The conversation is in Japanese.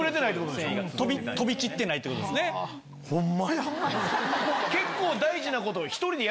ホンマや！